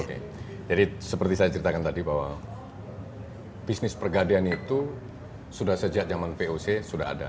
oke jadi seperti saya ceritakan tadi bahwa bisnis pergadian itu sudah sejak zaman voc sudah ada